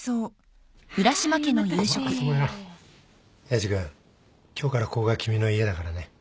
エイジ君今日からここが君の家だからね